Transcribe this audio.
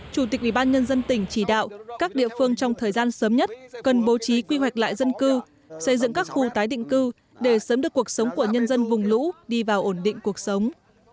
chủ tịch ủy ban nhân dân tỉnh chỉ đạo các địa phương trong thời gian sớm nhất cần bố trí quy hoạch lại dân cư xây dựng các khu tái định cư để sớm được cuộc sống của nhân dân vùng lũ đi vào ổn định cuộc sống